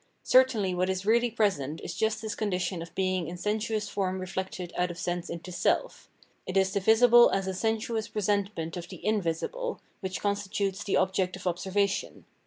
Certainly what is really present is just this condition of being in sensuous form reflected out of sense into self ; it is the visible as a sensuous presentment of the invisible, which consti tutes the object of observation.